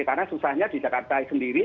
karena susahnya di jakarta sendiri